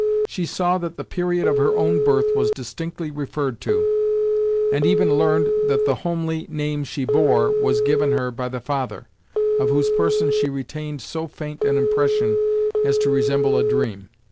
She saw that the period of her own birth was distinctly referred to, and even learned that the homely name she bore was given her by the father, of whose person she retained so faint an impression as to resemble a dream.